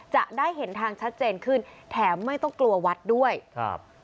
จะได้เห็นทางชัดเจนขึ้นแถมไม่ต้องกลัววัดด้วยครับ